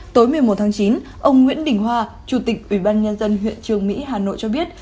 tối một mươi một tháng chín ông nguyễn đình hoa chủ tịch ubnd huyện trường mỹ hà nội cho biết